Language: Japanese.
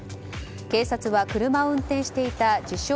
警察は車を運転していた自称